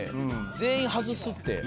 全員外すって。